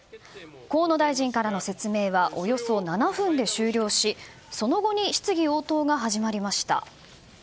河野大臣からの説明はおよそ７分で終了しその後に質疑応答が始まりました。